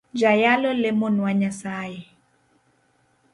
Jayalo lemonwa nyasaye.